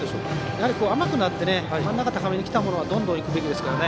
やはり甘くなって真ん中高めにきたらどんどんいくべきですからね。